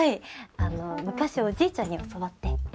あの昔おじいちゃんに教わって。